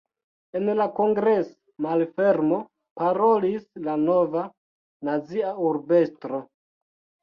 En la kongres-malfermo parolis la nova, nazia urb-estro.